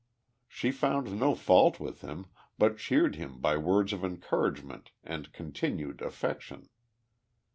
She found no fault with him, but cheered him by words of encouragement and continued affection.